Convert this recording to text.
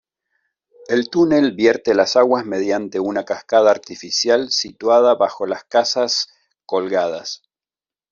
El túnel vierte las aguas mediante una cascada artificial situada bajo las Casas Colgadas.